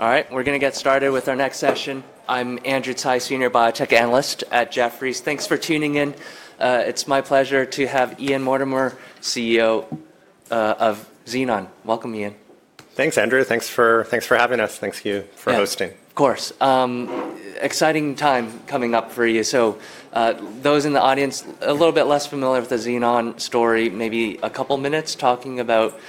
All right, we're going to get started with our next session. I'm Andrew Tsai, Senior Biotech Analyst at Jefferies. Thanks for tuning in. It's my pleasure to have Ian Mortimer, CEO of Xenon. Welcome, Ian. Thanks, Andrew. Thanks for having us. Thanks to you for hosting. Of course. Exciting time coming up for you. For those in the audience a little bit less familiar with the Xenon story, maybe a couple of minutes talking about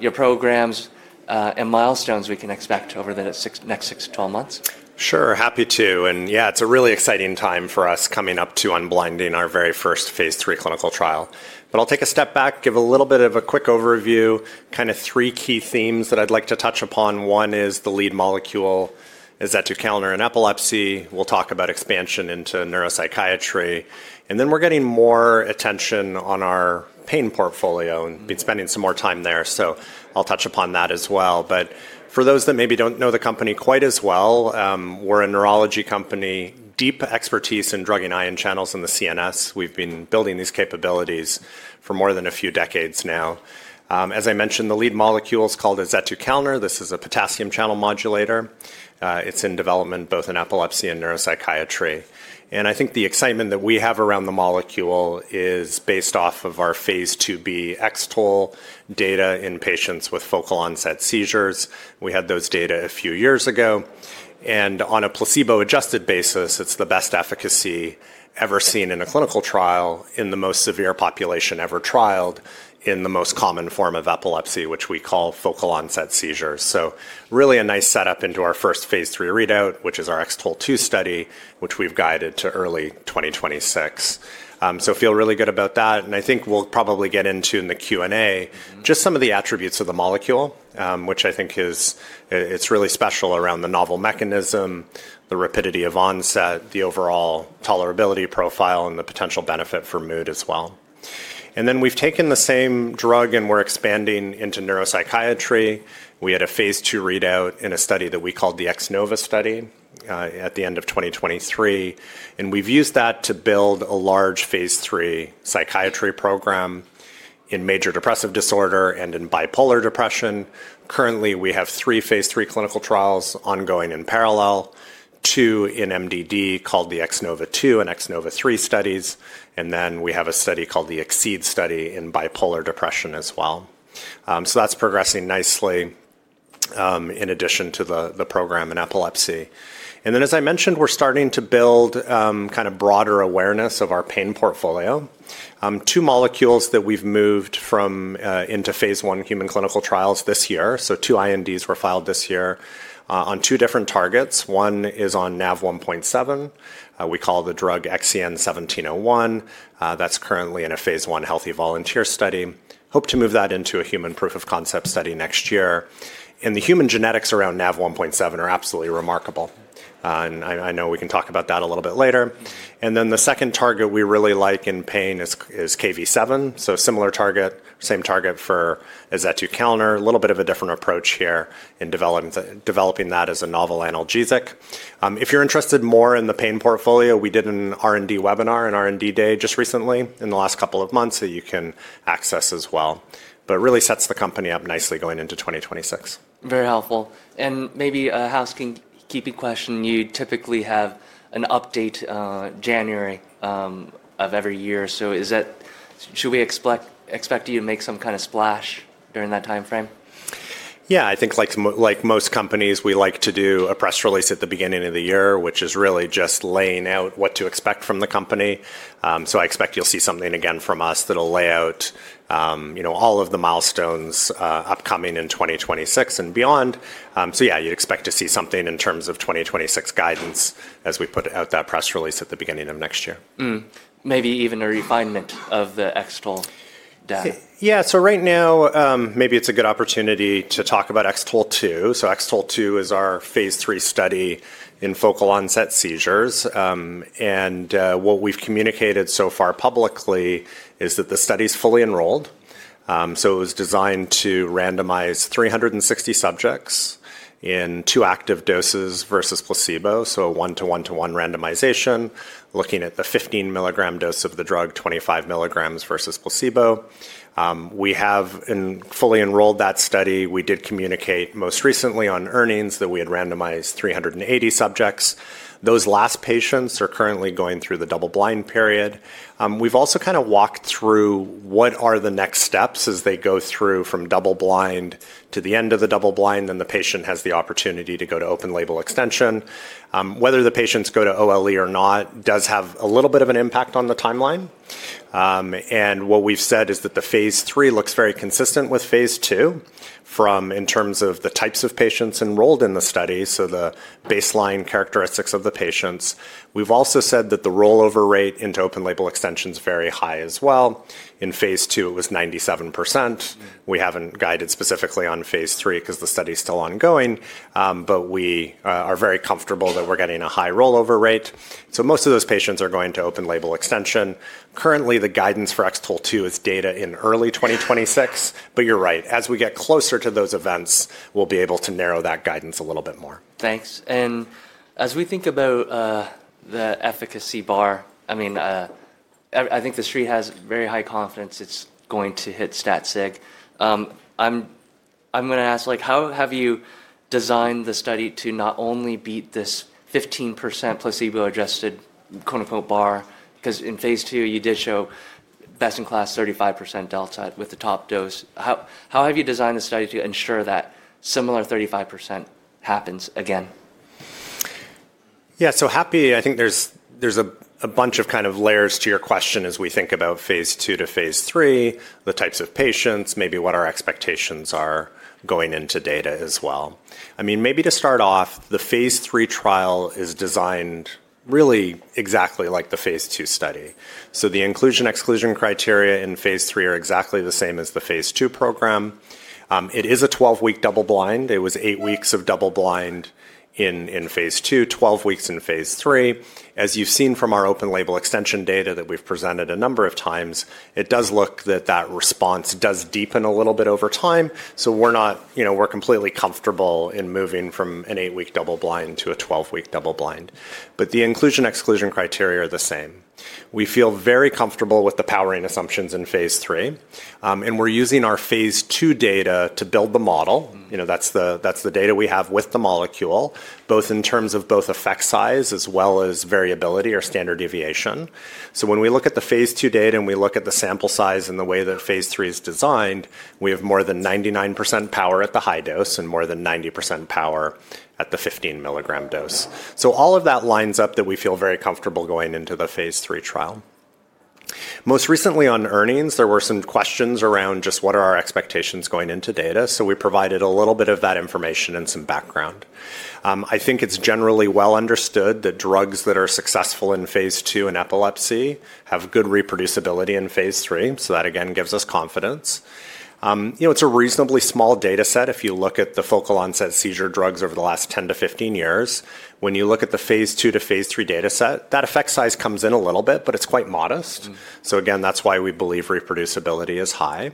your programs and milestones we can expect over the next 6 to 12 months? Sure, happy to. Yeah, it's a really exciting time for us coming up to unblinding our very first phase III clinical trial. I'll take a step back, give a little bit of a quick overview, kind of three key themes that I'd like to touch upon. One is the lead molecule is azetukalner in epilepsy. We'll talk about expansion into neuropsychiatry. We're getting more attention on our pain portfolio and spending some more time there. I'll touch upon that as well. For those that maybe don't know the company quite as well, we're a neurology company, deep expertise in drug and ion channels in the CNS. We've been building these capabilities for more than a few decades now. As I mentioned, the lead molecule is called azetukalner. This is a potassium channel modulator. It's in development both in epilepsy and neuropsychiatry. I think the excitement that we have around the molecule is based off of our phase IIb X-TOLE data in patients with focal onset seizures. We had those data a few years ago. On a placebo-adjusted basis, it's the best efficacy ever seen in a clinical trial in the most severe population ever trialed in the most common form of epilepsy, which we call focal onset seizures. Really a nice setup into our first phase III readout, which is our X-TOLE2 study, which we've guided to early 2026. I feel really good about that. I think we'll probably get into in the Q&A just some of the attributes of the molecule, which I think is really special around the novel mechanism, the rapidity of onset, the overall tolerability profile, and the potential benefit for mood as well. We've taken the same drug and we're expanding into neuropsychiatry. We had a phase II readout in a study that we called the X-NOVA study at the end of 2023. We've used that to build a large phase III psychiatry program in major depressive disorder and in bipolar depression. Currently, we have three phase III clinical trials ongoing in parallel, two in MDD called the X-NOVA2 and X-NOVA3 studies. We have a study called the X-CEED study in bipolar depression as well. That's progressing nicely in addition to the program in epilepsy. As I mentioned, we're starting to build kind of broader awareness of our pain portfolio. Two molecules that we've moved into phase I human clinical trials this year. Two INDs were filed this year on two different targets. One is on Nav1.7. We call the drug XEN1701. That's currently in a phase I healthy volunteer study. Hope to move that into a human proof of concept study next year. The human genetics around Nav1.7 are absolutely remarkable. I know we can talk about that a little bit later. The second target we really like in pain is Kv7. Similar target, same target for azetukalner, a little bit of a different approach here in developing that as a novel analgesic. If you're interested more in the pain portfolio, we did an R&D webinar and R&D day just recently in the last couple of months that you can access as well. It really sets the company up nicely going into 2026. Very helpful. Maybe a housekeeping question. You typically have an update in January of every year. Should we expect you to make some kind of splash during that time frame? Yeah, I think like most companies, we like to do a press release at the beginning of the year, which is really just laying out what to expect from the company. I expect you'll see something again from us that will lay out all of the milestones upcoming in 2026 and beyond. Yeah, you'd expect to see something in terms of 2026 guidance as we put out that press release at the beginning of next year. Maybe even a refinement of the X-TOLE data? Yeah, so right now, maybe it's a good opportunity to talk about X-TOLE2. X-TOLE2 is our phase III study in focal onset seizures. What we've communicated so far publicly is that the study is fully enrolled. It was designed to randomize 360 subjects in two active doses versus placebo, so a one-to-one-to-one randomization, looking at the 15 mg dose of the drug, 25 mg versus placebo. We have fully enrolled that study. We did communicate most recently on earnings that we had randomized 380 subjects. Those last patients are currently going through the double-blind period. We've also kind of walked through what are the next steps as they go through from double-blind to the end of the double-blind, then the patient has the opportunity to go to open-label extension. Whether the patients go to OLE or not does have a little bit of an impact on the timeline. What we've said is that the phase III looks very consistent with phase II in terms of the types of patients enrolled in the study, so the baseline characteristics of the patients. We've also said that the rollover rate into open-label extension is very high as well. In phase II, it was 97%. We haven't guided specifically on phase III because the study is still ongoing. We are very comfortable that we're getting a high rollover rate. Most of those patients are going to open-label extension. Currently, the guidance for X-TOLE2 is data in early 2026. You're right, as we get closer to those events, we'll be able to narrow that guidance a little bit more. Thanks. As we think about the efficacy bar, I mean, I think the street has very high confidence it's going to hit stat SIG. I'm going to ask, how have you designed the study to not only beat this 15% placebo-adjusted "bar"? Because in phase II, you did show best in class 35% delta with the top dose. How have you designed the study to ensure that similar 35% happens again? Yeah, so happy. I think there's a bunch of kind of layers to your question as we think about phase II to phase III, the types of patients, maybe what our expectations are going into data as well. I mean, maybe to start off, the phase III trial is designed really exactly like the phase II study. So the inclusion-exclusion criteria in phase III are exactly the same as the phase II program. It is a 12-week double-blind. It was eight weeks of double-blind in phase II, 12 weeks in phase III. As you've seen from our open-label extension data that we've presented a number of times, it does look that that response does deepen a little bit over time. We're completely comfortable in moving from an eight-week double-blind to a 12-week double-blind. The inclusion-exclusion criteria are the same. We feel very comfortable with the powering assumptions in phase III. We're using our phase II data to build the model. You know, that's the data we have with the molecule, both in terms of both effect size as well as variability or standard deviation. When we look at the phase II data and we look at the sample size and the way that phase III is designed, we have more than 99% power at the high dose and more than 90% power at the 15 mg dose. All of that lines up that we feel very comfortable going into the phase III trial. Most recently on earnings, there were some questions around just what are our expectations going into data. We provided a little bit of that information and some background. I think it's generally well understood that drugs that are successful in phase II in epilepsy have good reproducibility in phase III. That again gives us confidence. You know, it's a reasonably small data set. If you look at the focal onset seizure drugs over the last 10 to 15 years, when you look at the phase II to phase III data set, that effect size comes in a little bit, but it's quite modest. That is why we believe reproducibility is high.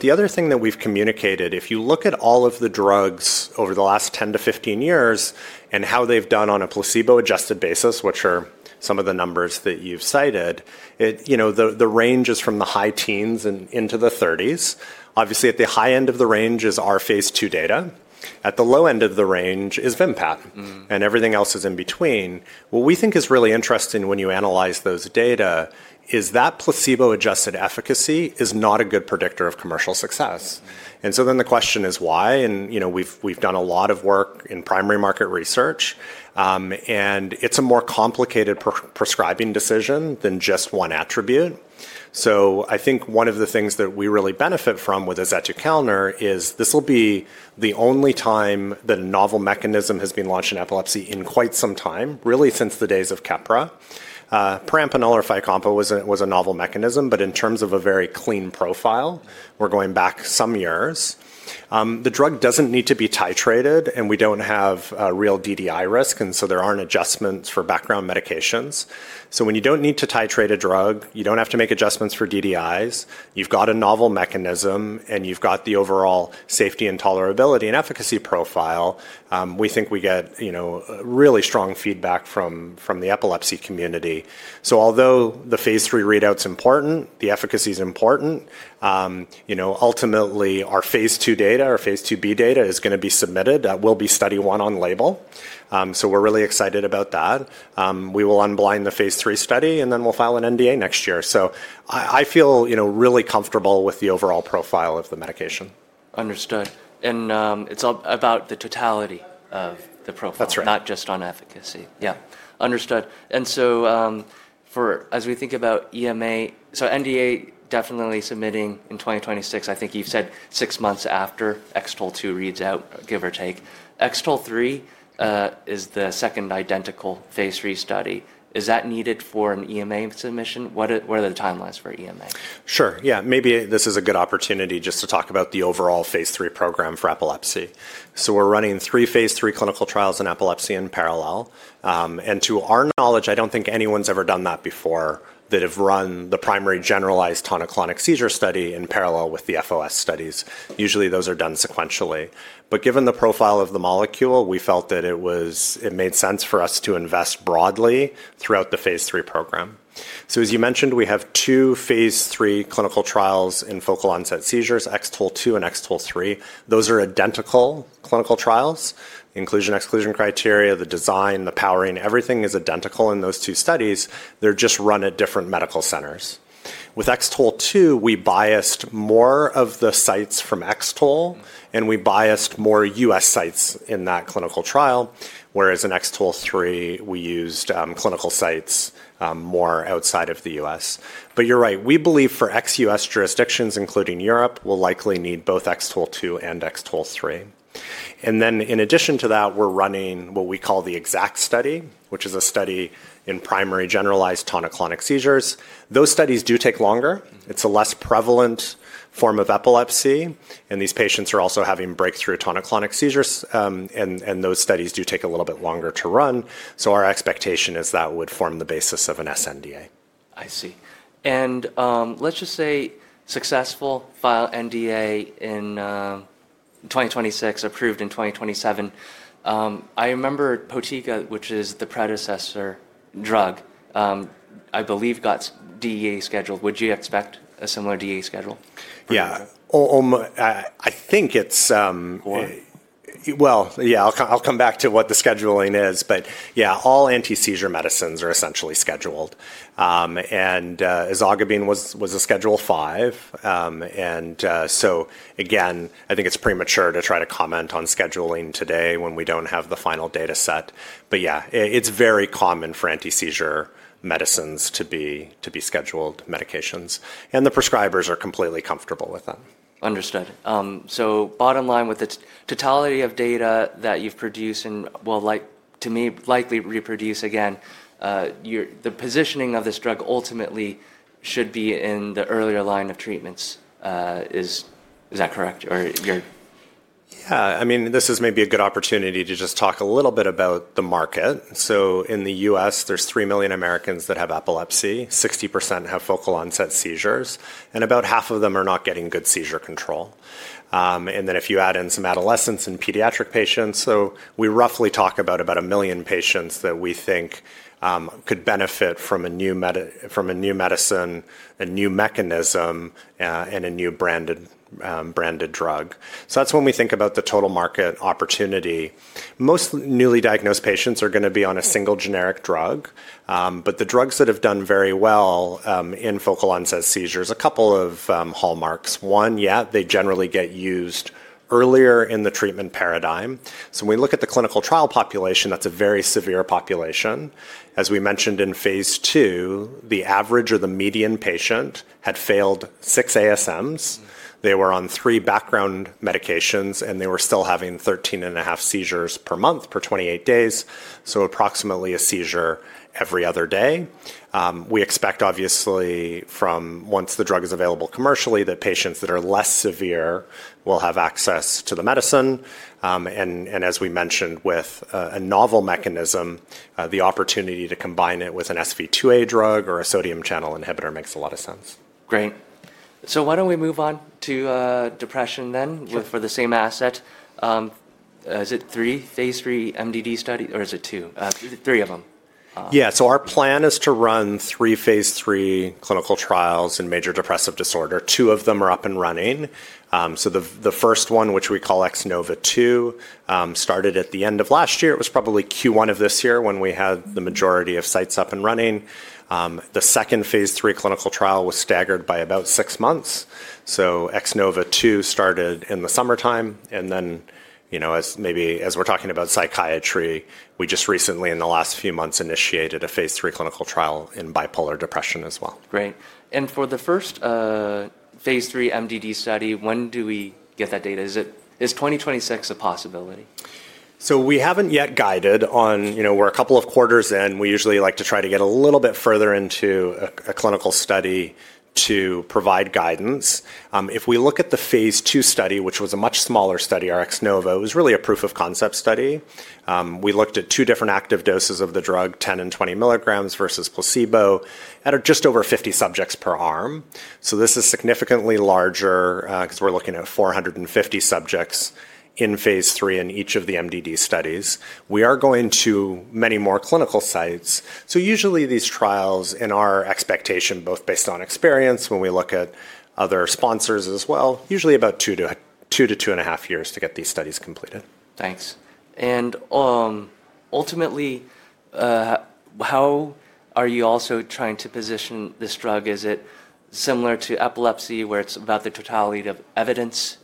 The other thing that we've communicated, if you look at all of the drugs over the last 10 to 15 years and how they've done on a placebo-adjusted basis, which are some of the numbers that you've cited, the range is from the high teens and into the 30s. Obviously, at the high end of the range is our phase II data. At the low end of the range is Vimpat. Everything else is in between. What we think is really interesting when you analyze those data is that placebo-adjusted efficacy is not a good predictor of commercial success. The question is why. You know, we've done a lot of work in primary market research. It's a more complicated prescribing decision than just one attribute. I think one of the things that we really benefit from with azetukalner is this will be the only time that a novel mechanism has been launched in epilepsy in quite some time, really since the days of KEPPRA. Perampanel or FYCOMPA was a novel mechanism, but in terms of a very clean profile, we're going back some years. The drug doesn't need to be titrated, and we don't have real DDI risk. There aren't adjustments for background medications. When you don't need to titrate a drug, you don't have to make adjustments for DDIs. You've got a novel mechanism, and you've got the overall safety and tolerability and efficacy profile. We think we get really strong feedback from the epilepsy community. Although the phase III readout's important, the efficacy's important, you know, ultimately our phase II data or phase IIb data is going to be submitted. That will be study one on label. We're really excited about that. We will unblind the phase III study, and then we'll file an NDA next year. I feel really comfortable with the overall profile of the medication. Understood. It is all about the totality of the profile, not just on efficacy? That's right. Yeah, understood. As we think about EMA, NDA definitely submitting in 2026, I think you've said six months after X-TOLE2 reads out, give or take. X-TOLE3 is the second identical phase III study. Is that needed for an EMA submission? What are the timelines for EMA? Sure. Yeah, maybe this is a good opportunity just to talk about the overall phase III program for epilepsy. We are running three phase III clinical trials in epilepsy in parallel. To our knowledge, I do not think anyone has ever done that before, that have run the primary generalized tonic-clonic seizure study in parallel with the FOS studies. Usually, those are done sequentially. Given the profile of the molecule, we felt that it made sense for us to invest broadly throughout the phase III program. As you mentioned, we have two phase III clinical trials in focal onset seizures, X-TOLE2 and X-TOLE3. Those are identical clinical trials. Inclusion-exclusion criteria, the design, the powering, everything is identical in those two studies. They are just run at different medical centers. With X-TOLE2, we biased more of the sites from X-TOLE. We biased more U.S. sites in that clinical trial, whereas in X-TOLE3, we used clinical sites more outside of the U.S. You are right. We believe for ex-U.S. jurisdictions, including Europe, we will likely need both X-TOLE2 and X-TOLE3. In addition to that, we are running what we call the X-ACKT study, which is a study in primary generalized tonic-clonic seizures. Those studies do take longer. It is a less prevalent form of epilepsy. These patients are also having breakthrough tonic-clonic seizures. Those studies do take a little bit longer to run. Our expectation is that would form the basis of an sNDA. I see. Let's just say successful, file NDA in 2026, approved in 2027. I remember Potiga, which is the predecessor drug, I believe got DEA scheduled. Would you expect a similar DEA schedule? Yeah, I think it's, yeah, I'll come back to what the scheduling is. Yeah, all anti-seizure medicines are essentially scheduled. Ezogabine was a Schedule V. I think it's premature to try to comment on scheduling today when we don't have the final data set. Yeah, it's very common for anti-seizure medicines to be scheduled medications. The prescribers are completely comfortable with them. Understood. Bottom line, with the totality of data that you've produced and will likely reproduce again, the positioning of this drug ultimately should be in the earlier line of treatments. Is that correct? Yeah, I mean, this is maybe a good opportunity to just talk a little bit about the market. In the U.S., there are 3 million Americans that have epilepsy. 60% have focal onset seizures. About half of them are not getting good seizure control. If you add in some adolescents and pediatric patients, we roughly talk about a million patients that we think could benefit from a new medicine, a new mechanism, and a new branded drug. That is when we think about the total market opportunity. Most newly diagnosed patients are going to be on a single generic drug. The drugs that have done very well in focal onset seizures, a couple of hallmarks. One, yeah, they generally get used earlier in the treatment paradigm. When we look at the clinical trial population, that is a very severe population. As we mentioned in phase II, the average or the median patient had failed six ASMs. They were on three background medications, and they were still having 13.5 seizures per month per 28 days, so approximately a seizure every other day. We expect, obviously, from once the drug is available commercially, that patients that are less severe will have access to the medicine. As we mentioned, with a novel mechanism, the opportunity to combine it with an SV2A drug or a sodium channel inhibitor makes a lot of sense. Great. Why don't we move on to depression then for the same asset? Is it three phase III MDD studies, or is it two? Three of them. Yeah, so our plan is to run three phase III clinical trials in major depressive disorder. Two of them are up and running. The first one, which we call X-NOVA2, started at the end of last year. It was probably Q1 of this year when we had the majority of sites up and running. The second phase III clinical trial was staggered by about six months. X-NOVA2 started in the summertime. And then, you know, maybe as we're talking about psychiatry, we just recently, in the last few months, initiated a phase III clinical trial in bipolar depression as well. Great. For the first phase III MDD study, when do we get that data? Is 2026 a possibility? We haven't yet guided on, you know, we're a couple of quarters in. We usually like to try to get a little bit further into a clinical study to provide guidance. If we look at the phase II study, which was a much smaller study, our X-NOVA, it was really a proof of concept study. We looked at two different active doses of the drug, 10 and 20 mg versus placebo, at just over 50 subjects per arm. This is significantly larger because we're looking at 450 subjects in phase III in each of the MDD studies. We are going to many more clinical sites. Usually, these trials, in our expectation, both based on experience when we look at other sponsors as well, usually about two to two and a half years to get these studies completed. Thanks. Ultimately, how are you also trying to position this drug? Is it similar to epilepsy, where it's about the totality of evidence,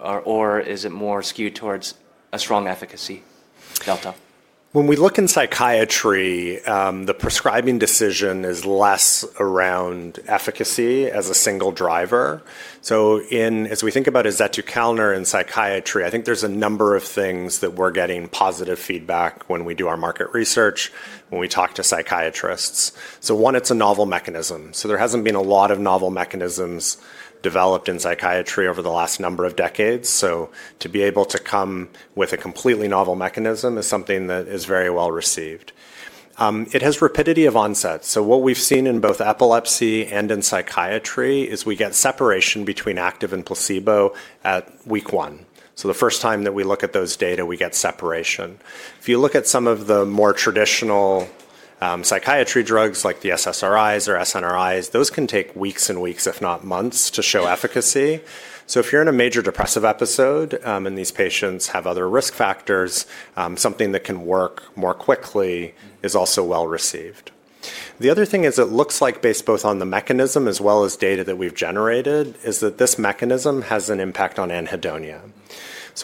or is it more SKU'd towards a strong efficacy delta? When we look in psychiatry, the prescribing decision is less around efficacy as a single driver. As we think about azetukalner in psychiatry, I think there's a number of things that we're getting positive feedback when we do our market research, when we talk to psychiatrists. One, it's a novel mechanism. There hasn't been a lot of novel mechanisms developed in psychiatry over the last number of decades. To be able to come with a completely novel mechanism is something that is very well received. It has rapidity of onset. What we've seen in both epilepsy and in psychiatry is we get separation between active and placebo at week one. The first time that we look at those data, we get separation. If you look at some of the more traditional psychiatry drugs, like the SSRIs or SNRIs, those can take weeks and weeks, if not months, to show efficacy. If you're in a major depressive episode and these patients have other risk factors, something that can work more quickly is also well received. The other thing is it looks like, based both on the mechanism as well as data that we've generated, is that this mechanism has an impact on anhedonia.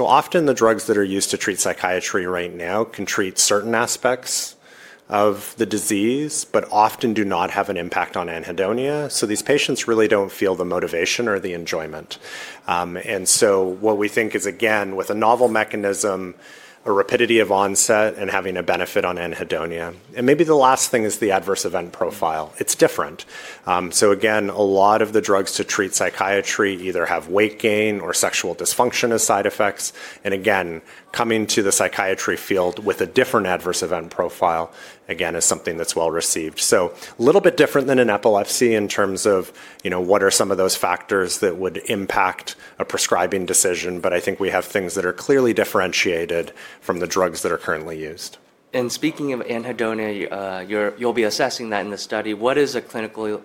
Often, the drugs that are used to treat psychiatry right now can treat certain aspects of the disease, but often do not have an impact on anhedonia. These patients really don't feel the motivation or the enjoyment. What we think is, again, with a novel mechanism, a rapidity of onset and having a benefit on anhedonia. Maybe the last thing is the adverse event profile. It's different. Again, a lot of the drugs to treat psychiatry either have weight gain or sexual dysfunction as side effects. Again, coming to the psychiatry field with a different adverse event profile is something that's well received. A little bit different than in epilepsy in terms of what are some of those factors that would impact a prescribing decision. I think we have things that are clearly differentiated from the drugs that are currently used. Speaking of anhedonia, you'll be assessing that in the study. What is a clinically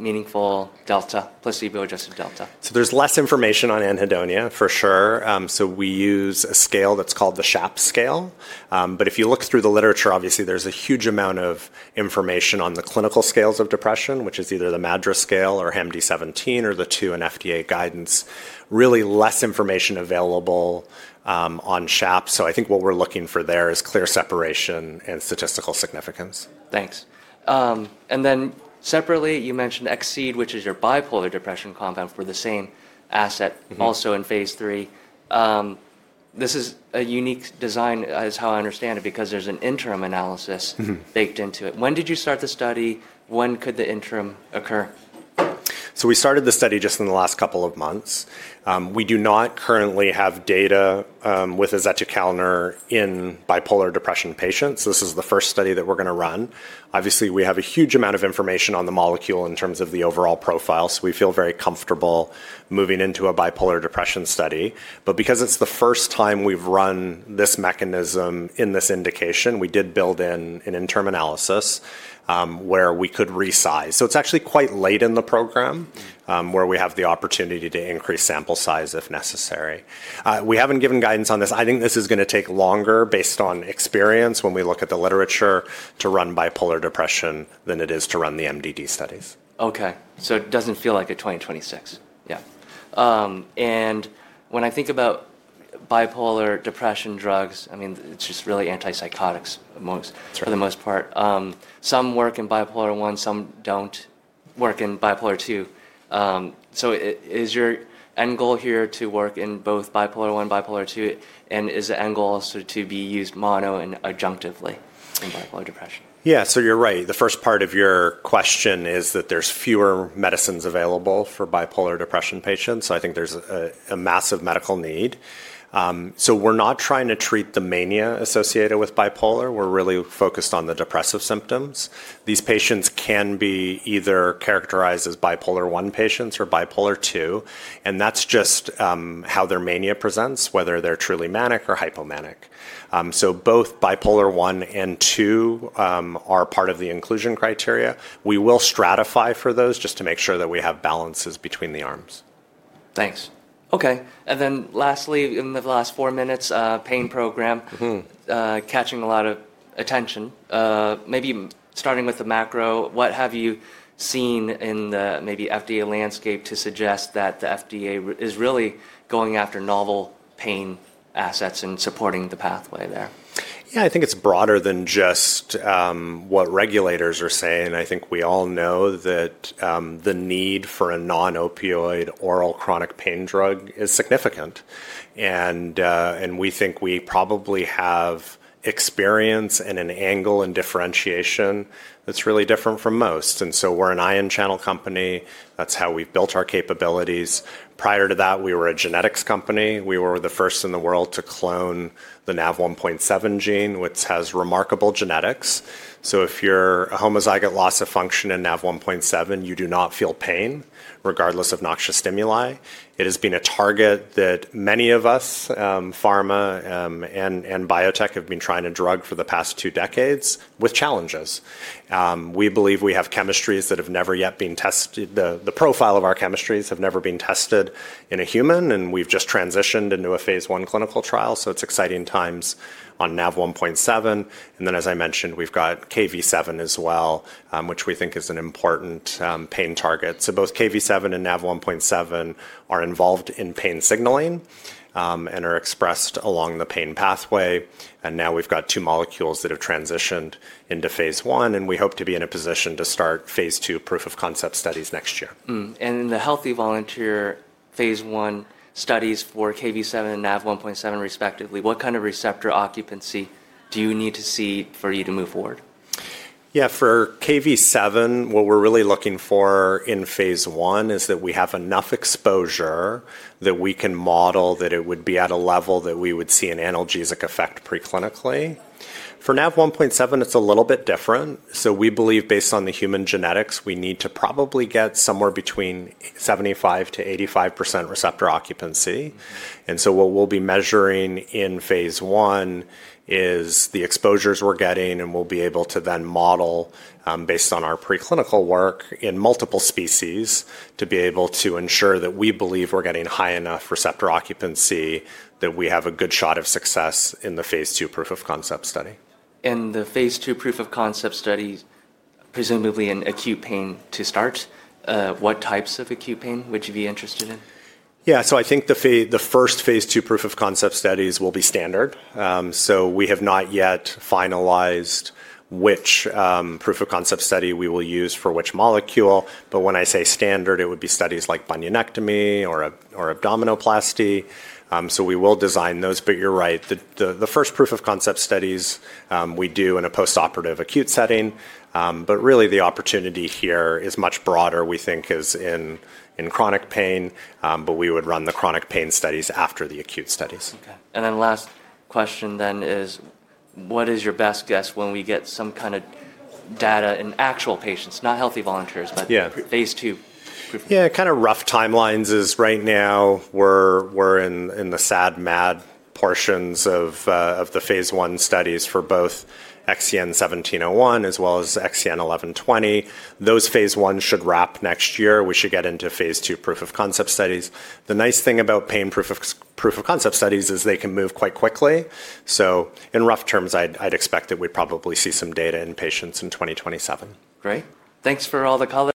meaningful delta, placebo-adjusted delta? There is less information on anhedonia, for sure. We use a scale that is called the SHAPS scale. If you look through the literature, obviously, there is a huge amount of information on the clinical scales of depression, which is either the MADRS scale or HAM-D17 or the 2N FDA guidance. There is really less information available on SHAPS. I think what we are looking for there is clear separation and statistical significance. Thanks. Then separately, you mentioned X-CEED, which is your bipolar depression compound for the same asset, also in phase III. This is a unique design, as how I understand it, because there's an interim analysis baked into it. When did you start the study? When could the interim occur? We started the study just in the last couple of months. We do not currently have data with azetukalner in bipolar depression patients. This is the first study that we're going to run. Obviously, we have a huge amount of information on the molecule in terms of the overall profile. We feel very comfortable moving into a bipolar depression study. Because it's the first time we've run this mechanism in this indication, we did build in an interim analysis where we could resize. It is actually quite late in the program where we have the opportunity to increase sample size if necessary. We haven't given guidance on this. I think this is going to take longer, based on experience when we look at the literature, to run bipolar depression than it is to run the MDD studies. Okay. It doesn't feel like a 2026. Yeah. When I think about bipolar depression drugs, I mean, it's just really antipsychotics for the most part. Some work in bipolar I, some don't work in bipolar II. Is your end goal here to work in both bipolar I, bipolar II? Is the end goal to be used mono and adjunctively in bipolar depression? Yeah, so you're right. The first part of your question is that there's fewer medicines available for bipolar depression patients. I think there's a massive medical need. We're not trying to treat the mania associated with bipolar. We're really focused on the depressive symptoms. These patients can be either characterized as bipolar I patients or bipolar II. That's just how their mania presents, whether they're truly manic or hypomanic. Both bipolar I and II are part of the inclusion criteria. We will stratify for those just to make sure that we have balances between the arms. Thanks. Okay. Lastly, in the last four minutes, pain program catching a lot of attention. Maybe starting with the macro, what have you seen in the maybe FDA landscape to suggest that the FDA is really going after novel pain assets and supporting the pathway there? Yeah, I think it's broader than just what regulators are saying. I think we all know that the need for a non-opioid oral chronic pain drug is significant. We think we probably have experience and an angle and differentiation that's really different from most. We're an ion channel company. That's how we've built our capabilities. Prior to that, we were a genetics company. We were the first in the world to clone the Nav1.7 gene, which has remarkable genetics. If you're a homozygous loss of function in Nav1.7, you do not feel pain, regardless of noxious stimuli. It has been a target that many of us, pharma and biotech, have been trying to drug for the past two decades with challenges. We believe we have chemistries that have never yet been tested. The profile of our chemistries have never been tested in a human. We have just transitioned into a phase I clinical trial. It is exciting times on Nav1.7. As I mentioned, we have Kv7 as well, which we think is an important pain target. Both Kv7 and Nav1.7 are involved in pain signaling and are expressed along the pain pathway. Now we have two molecules that have transitioned into phase I. We hope to be in a position to start phase II proof of concept studies next year. In the healthy volunteer phase I studies for Kv7 and Nav1.7, respectively, what kind of receptor occupancy do you need to see for you to move forward? Yeah, for Kv7, what we're really looking for in phase I is that we have enough exposure that we can model that it would be at a level that we would see an analgesic effect preclinically. For Nav1.7, it's a little bit different. We believe, based on the human genetics, we need to probably get somewhere between 75%-85% receptor occupancy. What we'll be measuring in phase I is the exposures we're getting. We'll be able to then model, based on our preclinical work in multiple species, to be able to ensure that we believe we're getting high enough receptor occupancy that we have a good shot of success in the phase II proof of concept study. The phase II proof of concept studies, presumably in acute pain to start, what types of acute pain would you be interested in? Yeah, I think the first phase II proof of concept studies will be standard. We have not yet finalized which proof of concept study we will use for which molecule. When I say standard, it would be studies like bunionectomy or abdominoplasty. We will design those. You're right. The first proof of concept studies we do in a postoperative acute setting. Really, the opportunity here is much broader, we think, as in chronic pain. We would run the chronic pain studies after the acute studies. Okay. Last question then is, what is your best guess when we get some kind of data in actual patients, not healthy volunteers, but phase II? Yeah, kind of rough timelines is right now we're in the SAD MAD portions of the phase I studies for both XEN1701 as well as XEN1120. Those phase I should wrap next year. We should get into phase II proof of concept studies. The nice thing about pain proof of concept studies is they can move quite quickly. In rough terms, I'd expect that we'd probably see some data in patients in 2027. Great. Thanks for all the color.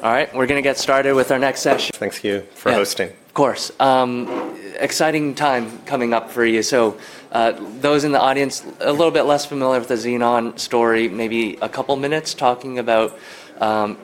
All right, we're going to get started with our next session. Thanks, to you, for hosting. Of course. Exciting time coming up for you. For those in the audience a little bit less familiar with the Xenon story, maybe a couple of minutes talking about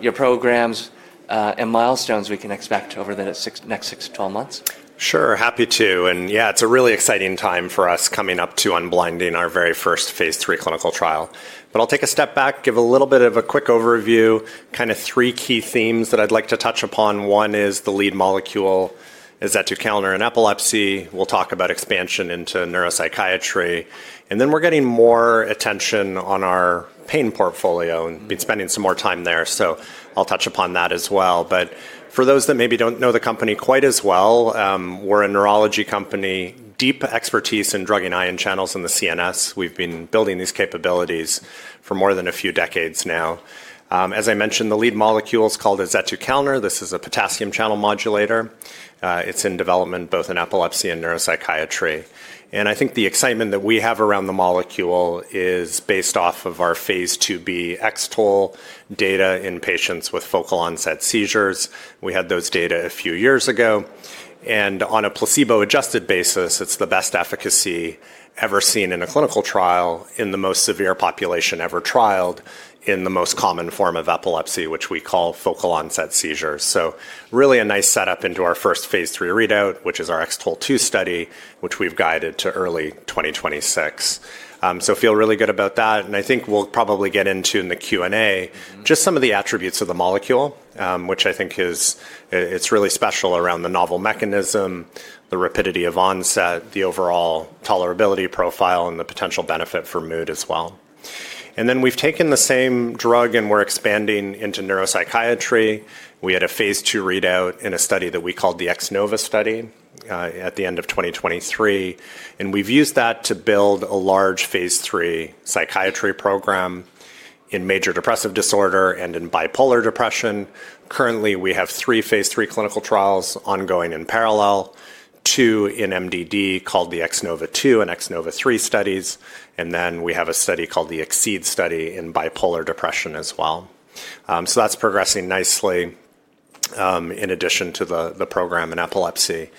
your programs and milestones we can expect over the next 6 to 12 months? Sure, happy to. Yeah, it's a really exciting time for us coming up to unblinding our very first phase III clinical trial. I'll take a step back, give a little bit of a quick overview, kind of three key themes that I'd like to touch upon. One is the lead molecule, azetukalner, in epilepsy. We'll talk about expansion into neuropsychiatry. We're getting more attention on our pain portfolio and spending some more time there. I'll touch upon that as well. For those that maybe don't know the company quite as well, we're a neurology company, deep expertise in drug and ion channels in the CNS. We've been building these capabilities for more than a few decades now. As I mentioned, the lead molecule is called azetukalner. This is a potassium channel modulator. It's in development both in epilepsy and neuropsychiatry. I think the excitement that we have around the molecule is based off of our phase IIb X-TOLE data in patients with focal onset seizures. We had those data a few years ago. On a placebo-adjusted basis, it's the best efficacy ever seen in a clinical trial in the most severe population ever trialed in the most common form of epilepsy, which we call focal onset seizures. Really a nice setup into our first phase III readout, which is our X-TOLE2 study, which we've guided to early 2026. I feel really good about that. I think we'll probably get into in the Q&A just some of the attributes of the molecule, which I think is really special around the novel mechanism, the rapidity of onset, the overall tolerability profile, and the potential benefit for mood as well. Then we've taken the same drug and we're expanding into neuropsychiatry. We had a phase II readout in a study that we called the X-NOVA study at the end of 2023. We've used that to build a large phase III psychiatry program in major depressive disorder and in bipolar depression. Currently, we have three phase III clinical trials ongoing in parallel, two in MDD called the X-NOVA2 and X-NOVA3 studies. We have a study called the X-CEED study in bipolar depression as well. That's progressing nicely in addition to the program in epilepsy.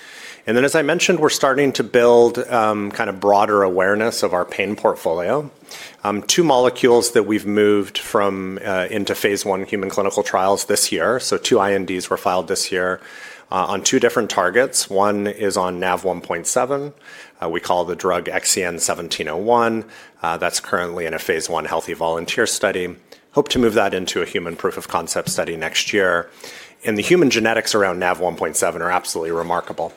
As I mentioned, we're starting to build kind of broader awareness of our pain portfolio. Two molecules that we've moved into phase I human clinical trials this year. Two INDs were filed this year on two different targets. One is on Nav1.7. We call the drug XEN1701. That's currently in a phase I healthy volunteer study. Hope to move that into a human proof of concept study next year. The human genetics around Nav1.7 are absolutely remarkable.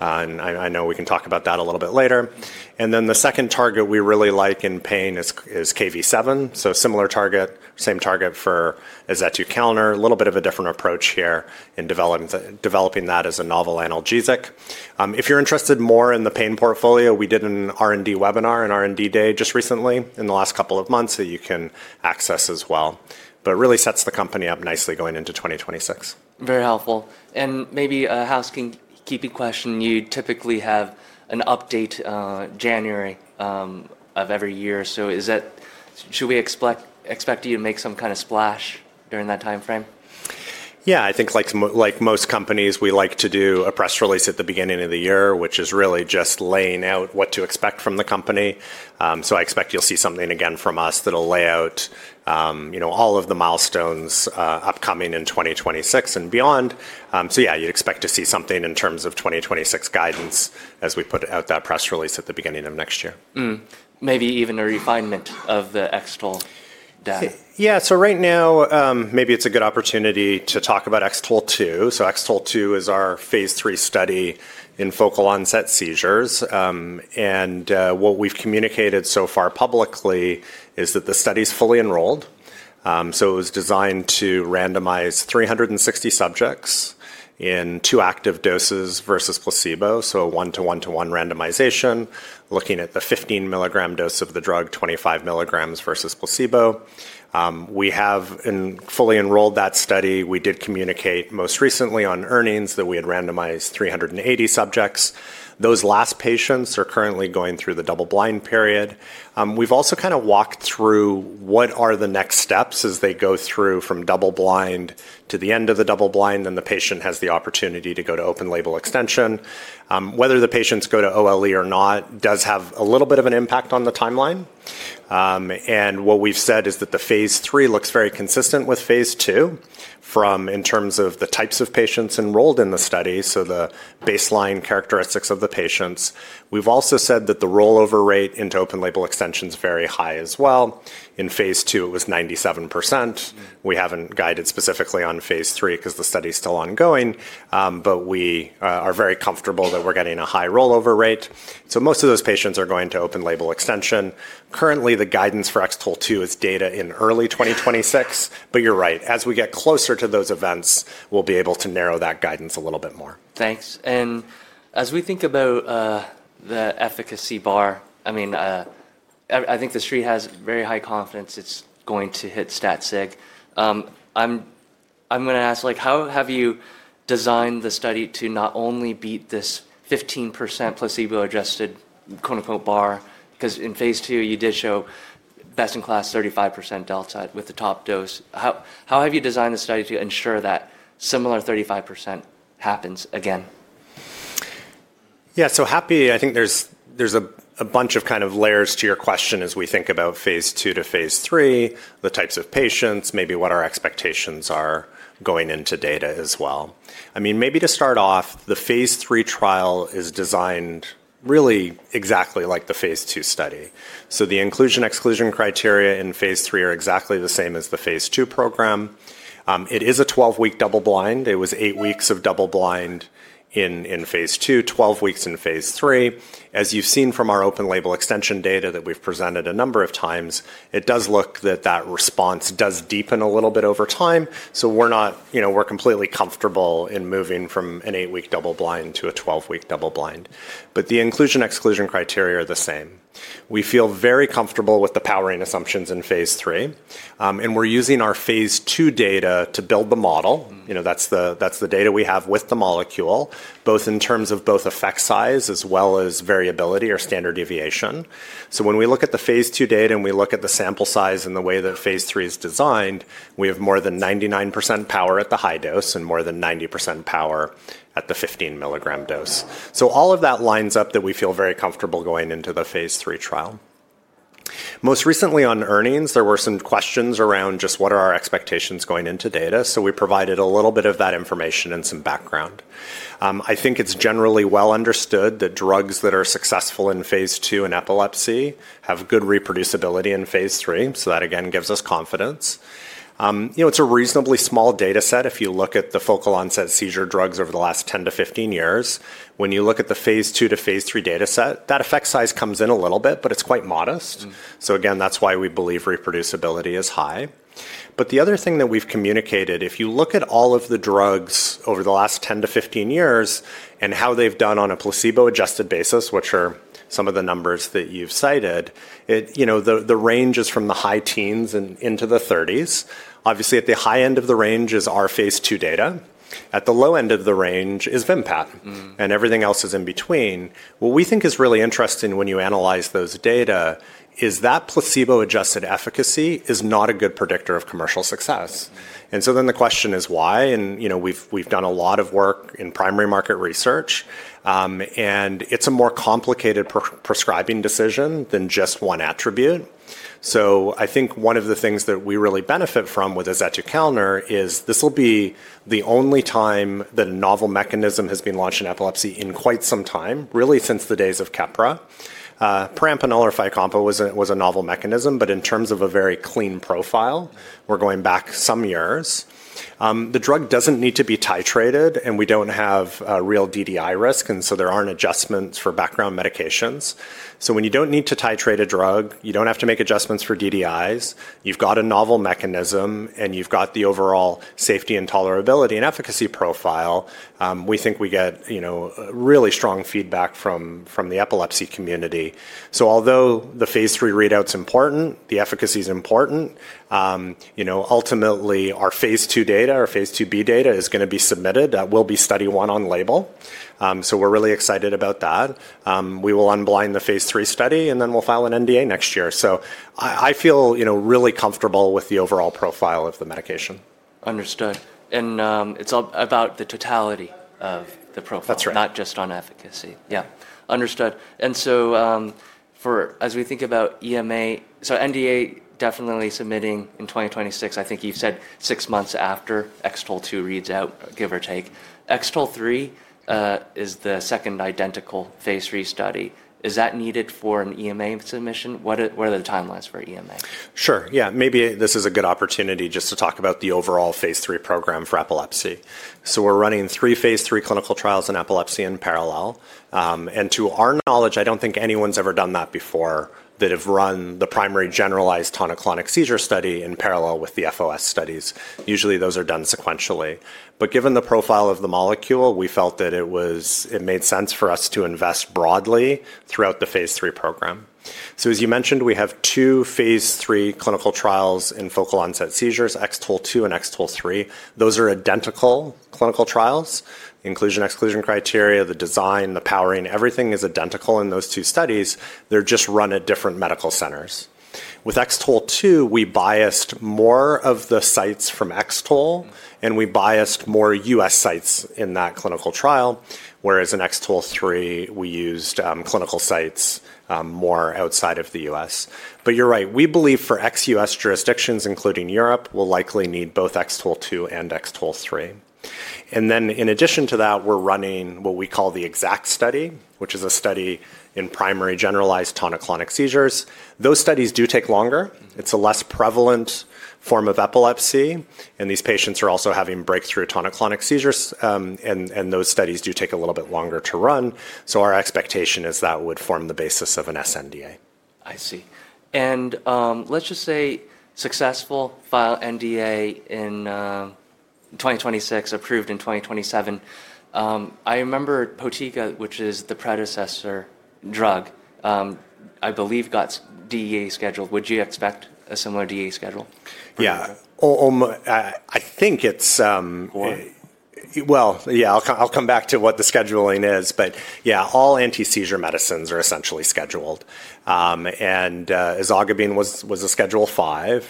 I know we can talk about that a little bit later. The second target we really like in pain is Kv7. Similar target, same target for azetukalner. A little bit of a different approach here in developing that as a novel analgesic. If you're interested more in the pain portfolio, we did an R&D webinar and R&D day just recently in the last couple of months that you can access as well. It really sets the company up nicely going into 2026. Very helpful. Maybe a housekeeping question. You typically have an update January of every year. Should we expect you to make some kind of splash during that time frame? Yeah, I think like most companies, we like to do a press release at the beginning of the year, which is really just laying out what to expect from the company. I expect you'll see something again from us that'll lay out all of the milestones upcoming in 2026 and beyond. You'd expect to see something in terms of 2026 guidance as we put out that press release at the beginning of next year. Maybe even a refinement of the X-TOLE data? Yeah, so right now, maybe it's a good opportunity to talk about X-TOLE2. X-TOLE2 is our phase III study in focal onset seizures. What we've communicated so far publicly is that the study is fully enrolled. It was designed to randomize 360 subjects in two active doses versus placebo, so a 1-1-1 randomization, looking at the 15 mg dose of the drug, 25 mg versus placebo. We have fully enrolled that study. We did communicate most recently on earnings that we had randomized 380 subjects. Those last patients are currently going through the double-blind period. We've also kind of walked through what are the next steps as they go through from double-blind to the end of the double-blind. The patient has the opportunity to go to open-label extension. Whether the patients go to OLE or not does have a little bit of an impact on the timeline. What we've said is that the phase III looks very consistent with phase II in terms of the types of patients enrolled in the study, so the baseline characteristics of the patients. We've also said that the rollover rate into open-label extension is very high as well. In phase II, it was 97%. We haven't guided specifically on phase III because the study is still ongoing. We are very comfortable that we're getting a high rollover rate. Most of those patients are going to open-label extension. Currently, the guidance for X-TOLE2 is data in early 2026. You're right. As we get closer to those events, we'll be able to narrow that guidance a little bit more. Thanks. As we think about the efficacy bar, I mean, I think the street has very high confidence it's going to hit stat sig. I'm going to ask, how have you designed the study to not only beat this 15% placebo-adjusted "bar"? Because in phase II, you did show best in class 35% delta with the top dose. How have you designed the study to ensure that similar 35% happens again? Yeah, so happy. I think there's a bunch of kind of layers to your question as we think about phase II to phase III, the types of patients, maybe what our expectations are going into data as well. I mean, maybe to start off, the phase III trial is designed really exactly like the phase II study. So the inclusion-exclusion criteria in phase III are exactly the same as the phase II program. It is a 12-week double-blind. It was 8 weeks of double-blind in phase II, 12 weeks in phase III. As you've seen from our open-label extension data that we've presented a number of times, it does look that that response does deepen a little bit over time. We are completely comfortable in moving from an 8-week double-blind to a 12-week double-blind. The inclusion-exclusion criteria are the same. We feel very comfortable with the powering assumptions in phase III. We are using our phase II data to build the model. That is the data we have with the molecule, both in terms of both effect size as well as variability or standard deviation. When we look at the phase II data and we look at the sample size and the way that phase III is designed, we have more than 99% power at the high dose and more than 90% power at the 15 mg dose. All of that lines up that we feel very comfortable going into the phase III trial. Most recently on earnings, there were some questions around just what are our expectations going into data. We provided a little bit of that information and some background. I think it's generally well understood that drugs that are successful in phase II in epilepsy have good reproducibility in phase III. That, again, gives us confidence. It's a reasonably small data set if you look at the focal onset seizure drugs over the last 10 to 15 years. When you look at the phase II to phase III data set, that effect size comes in a little bit, but it's quite modest. That is why we believe reproducibility is high. The other thing that we've communicated, if you look at all of the drugs over the last 10 to 15 years and how they've done on a placebo-adjusted basis, which are some of the numbers that you've cited, the range is from the high teens into the 30s. Obviously, at the high end of the range is our phase II data. At the low end of the range is Vimpat. Everything else is in between. What we think is really interesting when you analyze those data is that placebo-adjusted efficacy is not a good predictor of commercial success. The question is why. We have done a lot of work in primary market research. It is a more complicated prescribing decision than just one attribute. I think one of the things that we really benefit from with azetukalner is this will be the only time that a novel mechanism has been launched in epilepsy in quite some time, really since the days of KEPPRA. Perampanel or FYCOMPA was a novel mechanism, but in terms of a very clean profile, we are going back some years. The drug does not need to be titrated, and we do not have real DDI risk. There are not adjustments for background medications. When you do not need to titrate a drug, you do not have to make adjustments for DDIs. You have got a novel mechanism, and you have got the overall safety and tolerability and efficacy profile. We think we get really strong feedback from the epilepsy community. Although the phase III readout is important, the efficacy is important, ultimately, our phase II data or phase IIb data is going to be submitted. That will be study one on label. We are really excited about that. We will unblind the phase III study, and then we will file an NDA next year. I feel really comfortable with the overall profile of the medication. Understood. It's about the totality of the profile, not just on efficacy? That's right. Yeah, understood. As we think about EMA, NDA definitely submitting in 2026. I think you've said six months after X-TOLE2 reads out, give or take. X-TOLE3 is the second identical phase III study. Is that needed for an EMA submission? What are the timelines for EMA? Sure. Yeah, maybe this is a good opportunity just to talk about the overall phase III program for epilepsy. We're running three phase III clinical trials in epilepsy in parallel. To our knowledge, I don't think anyone's ever done that before that have run the primary generalized tonic-clonic seizure study in parallel with the FOS studies. Usually, those are done sequentially. Given the profile of the molecule, we felt that it made sense for us to invest broadly throughout the phase III program. As you mentioned, we have two phase III clinical trials in focal onset seizures, X-TOLE2 and X-TOLE3. Those are identical clinical trials. Inclusion-exclusion criteria, the design, the powering, everything is identical in those two studies. They're just run at different medical centers. With X-TOLE2, we biased more of the sites from X-TOLE, and we biased more U.S. sites in that clinical trial, whereas in X-TOLE3, we used clinical sites more outside of the U.S. You are right. We believe for ex-U.S. jurisdictions, including Europe, we will likely need both X-TOLE2 and X-TOLE3. In addition to that, we are running what we call the X-ACKT study, which is a study in primary generalized tonic-clonic seizures. Those studies do take longer. It is a less prevalent form of epilepsy. These patients are also having breakthrough tonic-clonic seizures. Those studies do take a little bit longer to run. Our expectation is that would form the basis of an sNDA. I see. Let's just say successful, file NDA in 2026, approved in 2027. I remember Potiga, which is the predecessor drug, I believe got DEA scheduled. Would you expect a similar DEA schedule? Yeah. I think it's, what? Yeah, I'll come back to what the scheduling is. All anti-seizure medicines are essentially scheduled. Ezogabine was a Schedule V.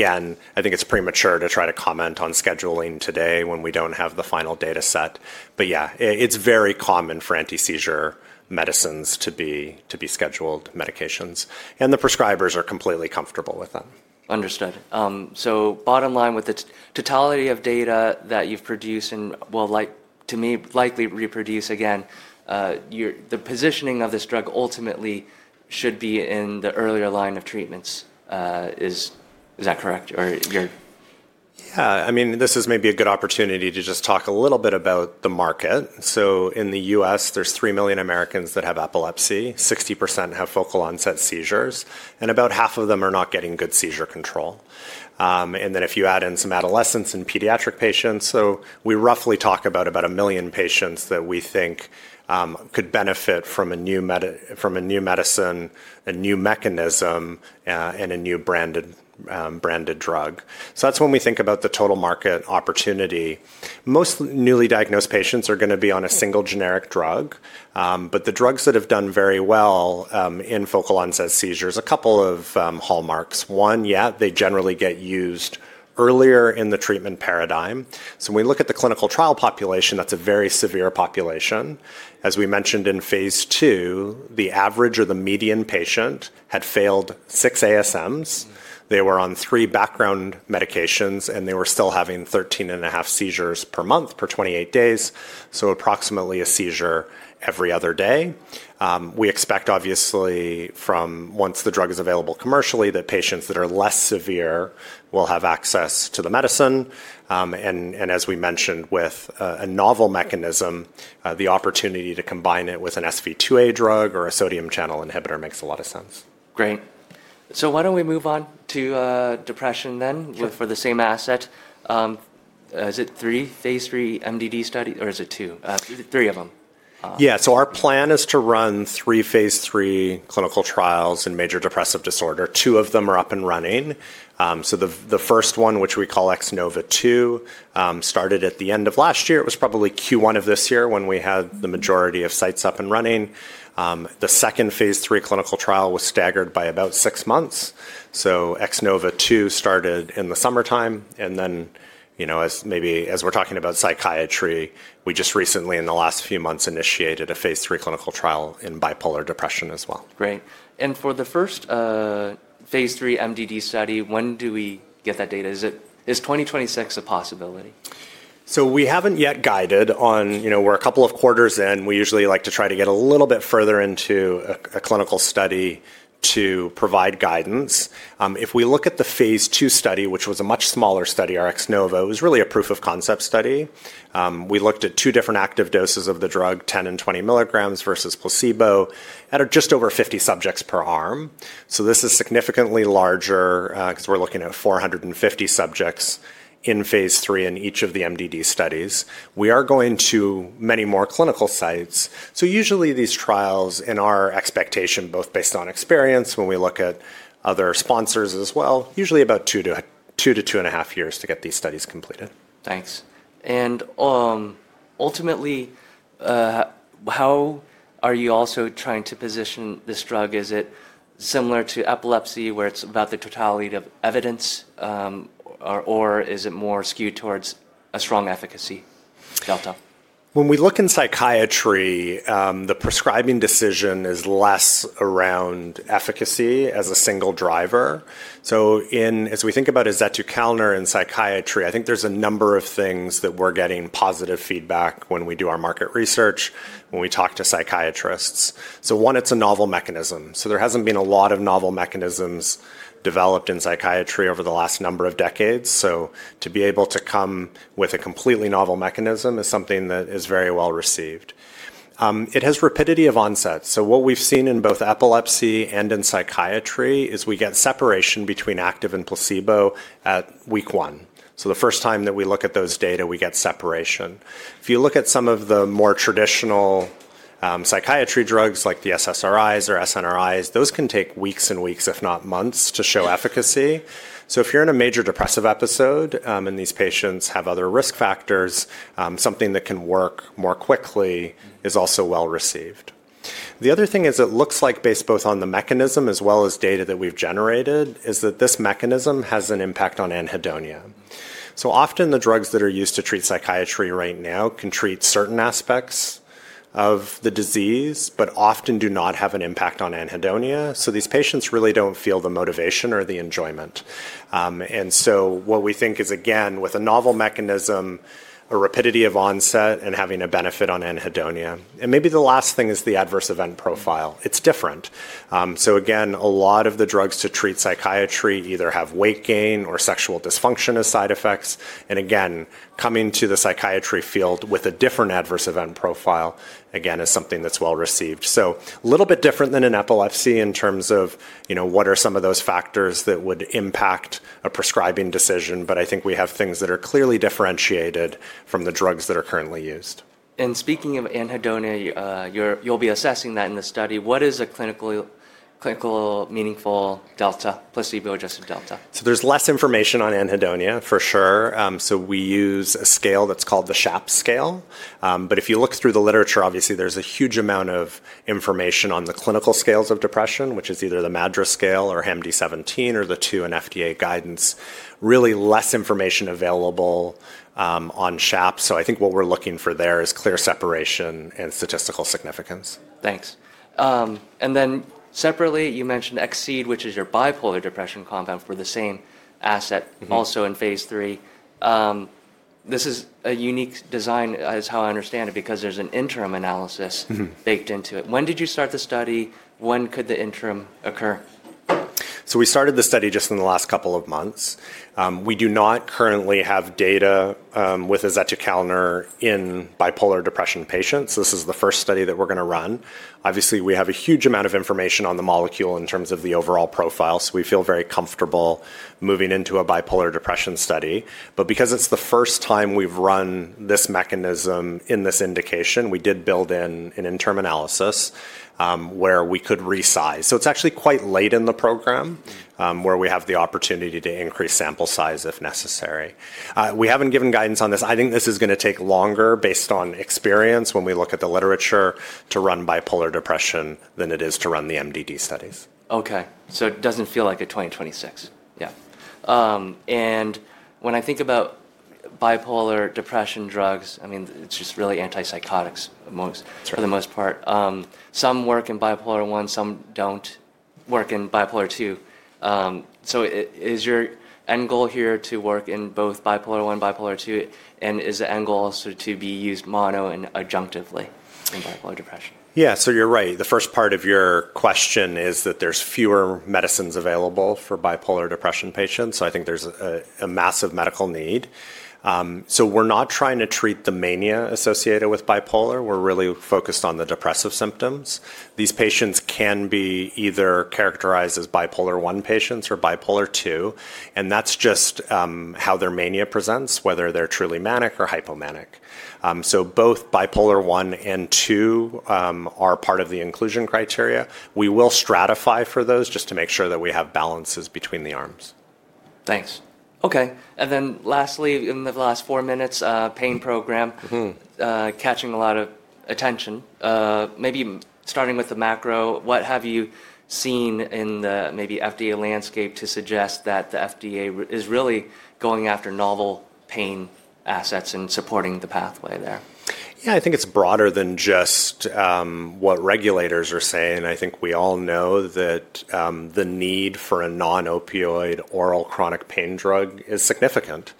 I think it's premature to try to comment on scheduling today when we don't have the final data set. Yeah, it's very common for anti-seizure medicines to be scheduled medications. The prescribers are completely comfortable with them. Understood. Bottom line, with the totality of data that you've produced and will likely reproduce again, the positioning of this drug ultimately should be in the earlier line of treatments. Is that correct? Or you're? Yeah. I mean, this is maybe a good opportunity to just talk a little bit about the market. In the U.S., there's 3 million Americans that have epilepsy. 60% have focal onset seizures. And about half of them are not getting good seizure control. If you add in some adolescents and pediatric patients, we roughly talk about 1 million patients that we think could benefit from a new medicine, a new mechanism, and a new branded drug. That's when we think about the total market opportunity. Most newly diagnosed patients are going to be on a single generic drug. The drugs that have done very well in focal onset seizures, a couple of hallmarks. One, yeah, they generally get used earlier in the treatment paradigm. When we look at the clinical trial population, that's a very severe population. As we mentioned in phase II, the average or the median patient had failed six ASMs. They were on three background medications, and they were still having 13.5 seizures per month per 28 days, so approximately a seizure every other day. We expect, obviously, from once the drug is available commercially, that patients that are less severe will have access to the medicine. As we mentioned, with a novel mechanism, the opportunity to combine it with an SV2A drug or a sodium channel inhibitor makes a lot of sense. Great. Why don't we move on to depression then for the same asset? Is it three phase III MDD studies? Or is it two? Three of them? Yeah. So our plan is to run three phase III clinical trials in major depressive disorder. Two of them are up and running. The first one, which we call X-NOVA2, started at the end of last year. It was probably Q1 of this year when we had the majority of sites up and running. The second phase III clinical trial was staggered by about six months. X-NOVA2 started in the summertime. Maybe as we're talking about psychiatry, we just recently, in the last few months, initiated a phase III clinical trial in bipolar depression as well. Great. For the first phase III MDD study, when do we get that data? Is 2026 a possibility? We have not yet guided on. We are a couple of quarters in. We usually like to try to get a little bit further into a clinical study to provide guidance. If we look at the phase II study, which was a much smaller study, our X-NOVA, it was really a proof of concept study. We looked at two different active doses of the drug, 10 and 20 mg versus placebo, at just over 50 subjects per arm. This is significantly larger because we are looking at 450 subjects in phase III in each of the MDD studies. We are going to many more clinical sites. Usually, these trials, in our expectation, both based on experience when we look at other sponsors as well, take about two to two and a half years to get these studies completed. Thanks. Ultimately, how are you also trying to position this drug? Is it similar to epilepsy where it's about the totality of evidence? Or is it more SKU'd towards a strong efficacy delta? When we look in psychiatry, the prescribing decision is less around efficacy as a single driver. As we think about azetukalner in psychiatry, I think there's a number of things that we're getting positive feedback when we do our market research, when we talk to psychiatrists. One, it's a novel mechanism. There hasn't been a lot of novel mechanisms developed in psychiatry over the last number of decades. To be able to come with a completely novel mechanism is something that is very well received. It has rapidity of onset. What we've seen in both epilepsy and in psychiatry is we get separation between active and placebo at week one. The first time that we look at those data, we get separation. If you look at some of the more traditional psychiatry drugs like the SSRIs or SNRIs, those can take weeks and weeks, if not months, to show efficacy. If you're in a major depressive episode and these patients have other risk factors, something that can work more quickly is also well received. The other thing is it looks like, based both on the mechanism as well as data that we've generated, is that this mechanism has an impact on anhedonia. Often, the drugs that are used to treat psychiatry right now can treat certain aspects of the disease but often do not have an impact on anhedonia. These patients really don't feel the motivation or the enjoyment. What we think is, again, with a novel mechanism, a rapidity of onset and having a benefit on anhedonia. Maybe the last thing is the adverse event profile. It's different. Again, a lot of the drugs to treat psychiatry either have weight gain or sexual dysfunction as side effects. Again, coming to the psychiatry field with a different adverse event profile is something that's well received. A little bit different than in epilepsy in terms of what are some of those factors that would impact a prescribing decision. I think we have things that are clearly differentiated from the drugs that are currently used. Speaking of anhedonia, you'll be assessing that in the study. What is a clinically meaningful delta, placebo-adjusted delta? There's less information on anhedonia, for sure. We use a scale that's called the SHAPS scale. If you look through the literature, obviously, there's a huge amount of information on the clinical scales of depression, which is either the MADRS scale or HAM-D17 or the 2N FDA guidance. Really less information available on SHAPS. I think what we're looking for there is clear separation and statistical significance. Thanks. Then separately, you mentioned X-CEED, which is your bipolar depression compound for the same asset, also in phase III. This is a unique design, as how I understand it, because there is an interim analysis baked into it. When did you start the study? When could the interim occur? We started the study just in the last couple of months. We do not currently have data with azetukalner in bipolar depression patients. This is the first study that we're going to run. Obviously, we have a huge amount of information on the molecule in terms of the overall profile. We feel very comfortable moving into a bipolar depression study. Because it's the first time we've run this mechanism in this indication, we did build in an interim analysis where we could resize. It's actually quite late in the program where we have the opportunity to increase sample size if necessary. We haven't given guidance on this. I think this is going to take longer, based on experience when we look at the literature, to run bipolar depression than it is to run the MDD studies. OK. It doesn't feel like a 2026. Yeah. When I think about bipolar depression drugs, I mean, it's just really antipsychotics for the most part. Some work in bipolar I, some don't work in bipolar II. Is your end goal here to work in both bipolar I, bipolar II? Is the end goal to be used mono and adjunctively in bipolar depression? Yeah. You're right. The first part of your question is that there's fewer medicines available for bipolar depression patients. I think there's a massive medical need. We're not trying to treat the mania associated with bipolar. We're really focused on the depressive symptoms. These patients can be either characterized as bipolar I patients or bipolar II. That's just how their mania presents, whether they're truly manic or hypomanic. Both bipolar I and II are part of the inclusion criteria. We will stratify for those just to make sure that we have balances between the arms. Thanks. OK. Lastly, in the last four minutes, pain program catching a lot of attention. Maybe starting with the macro, what have you seen in the maybe FDA landscape to suggest that the FDA is really going after novel pain assets and supporting the pathway there? Yeah. I think it's broader than just what regulators are saying. I think we all know that the need for a non-opioid oral chronic pain drug is significant.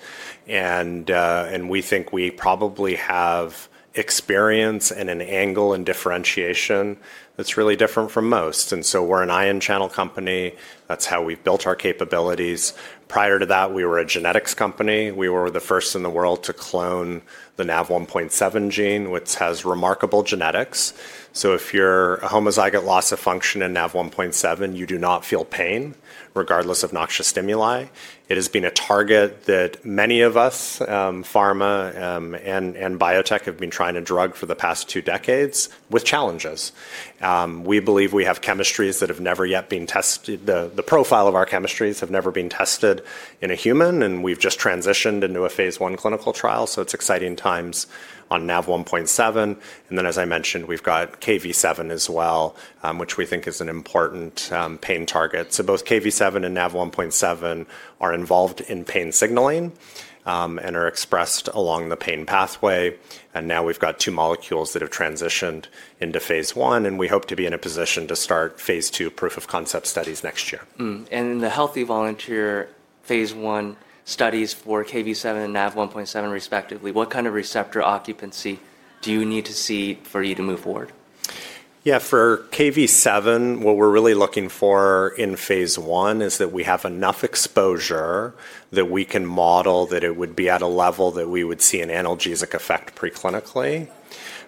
We think we probably have experience and an angle and differentiation that's really different from most. We're an ion channel company. That's how we've built our capabilities. Prior to that, we were a genetics company. We were the first in the world to clone the Nav1.7 gene, which has remarkable genetics. If you're a homozygous loss of function in Nav1.7, you do not feel pain regardless of noxious stimuli. It has been a target that many of us, pharma and biotech, have been trying to drug for the past two decades with challenges. We believe we have chemistries that have never yet been tested. The profile of our chemistries have never been tested in a human. We have just transitioned into a phase I clinical trial. It is exciting times on Nav1.7. As I mentioned, we have Kv7 as well, which we think is an important pain target. Both Kv7 and Nav1.7 are involved in pain signaling and are expressed along the pain pathway. Now we have two molecules that have transitioned into phase I. We hope to be in a position to start phase II proof of concept studies next year. In the healthy volunteer phase I studies for Kv7 and Nav1.7 respectively, what kind of receptor occupancy do you need to see for you to move forward? Yeah. For Kv7, what we're really looking for in phase I is that we have enough exposure that we can model that it would be at a level that we would see an analgesic effect preclinically.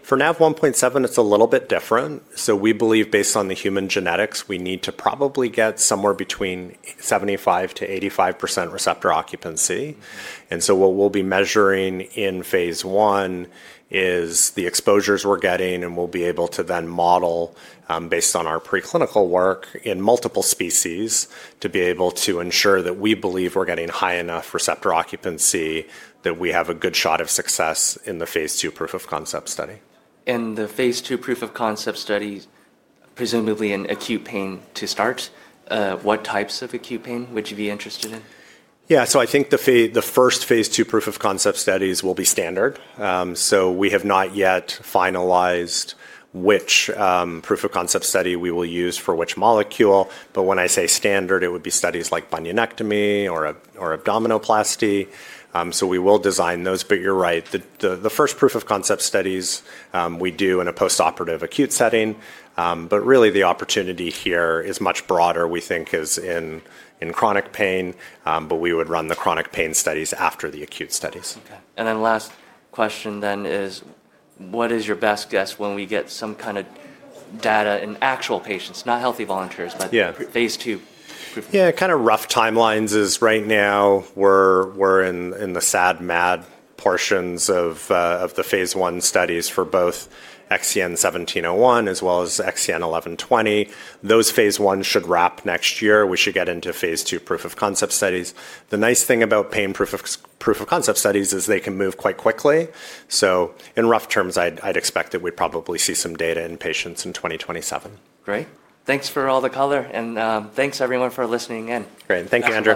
For Nav1.7, it's a little bit different. We believe, based on the human genetics, we need to probably get somewhere between 75%-85% receptor occupancy. What we'll be measuring in phase I is the exposures we're getting. We'll be able to then model, based on our preclinical work in multiple species, to be able to ensure that we believe we're getting high enough receptor occupancy that we have a good shot of success in the phase II proof of concept study. The phase II proof of concept studies, presumably in acute pain to start, what types of acute pain would you be interested in? Yeah. I think the first phase II proof of concept studies will be standard. We have not yet finalized which proof of concept study we will use for which molecule. When I say standard, it would be studies like bunionectomy or abdominoplasty. We will design those. You are right. The first proof of concept studies we do in a postoperative acute setting. Really, the opportunity here is much broader, we think, as in chronic pain. We would run the chronic pain studies after the acute studies. OK. Last question then is, what is your best guess when we get some kind of data in actual patients, not healthy volunteers, but phase II? Yeah. Kind of rough timelines is right now, we're in the SAD MAD portions of the phase I studies for both XEN1701 as well as XEN1120. Those phase I should wrap next year. We should get into phase II proof of concept studies. The nice thing about pain proof of concept studies is they can move quite quickly. In rough terms, I'd expect that we'd probably see some data in patients in 2027. Great. Thanks for all the color. Thanks, everyone, for listening in. Great. Thank you, Andrew.